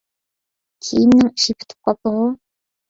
كىيىمنىڭ ئىشى پۈتۈپ قاپتۇغۇ!